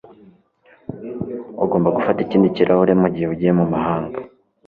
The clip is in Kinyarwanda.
Ugomba gufata ikindi kirahure mugihe ugiye mumahanga